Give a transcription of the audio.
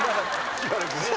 しばらくね。